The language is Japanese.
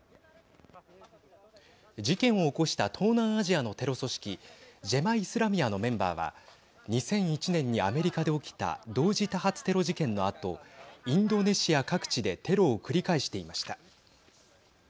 事件を起こした東南アジアのテロ組織ジェマ・イスラミアのメンバーは２００１年にアメリカで起きた同時多発テロ事件のあとインドネシア各地でテロを繰り返していました。